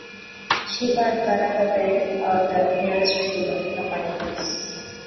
Shiba and Kara Koby are the nearest rural localities.